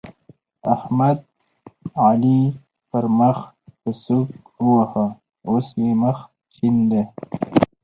احمد؛ علي پر مخ په سوک وواهه ـ اوس يې مخ شين دی.